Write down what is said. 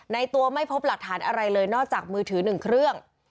ในตัวไม่พบหลักฐานอะไรเลยนอกจากมือถือ๑เครื่อง